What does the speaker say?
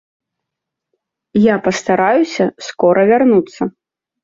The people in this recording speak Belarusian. Я пастараюся скора вярнуцца.